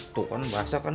tuh kan bahasa kan